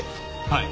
はい。